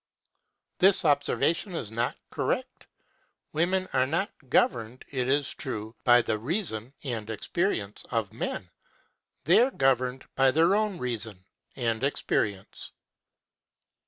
â This observation is not correct. Women are not governed, it is true, by the reason (and experience) of men; they are governed by their own reason (and experience).